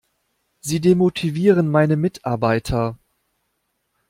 Sie demotivieren meine Mitarbeiter!